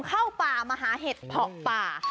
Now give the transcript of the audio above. เข้าป่ามาหาเห็ดเพาะป่า